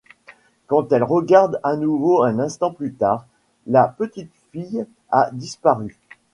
Quand elle regarde à nouveau un instant plus tard, la petite fille a disparu.